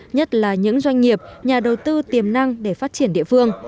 nhất là những doanh nghiệp nhà đầu tư tiềm năng để phát triển địa phương